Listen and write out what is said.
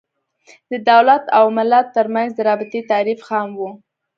د دولت او ملت تر منځ د رابطې تعریف خام و.